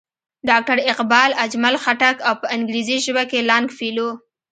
ډاکټر اقبال، اجمل خټک او پۀ انګريزي ژبه کښې لانګ فيلو